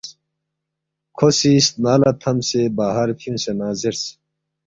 کھو سی سنا لہ تھمسے باہر فیُونگسے نہ زیرس،